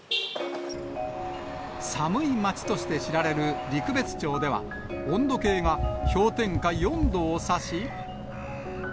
寒い町として知られる陸別町では、温度計が氷点下４度を指し。